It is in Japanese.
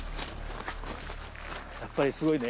やっぱりすごいね。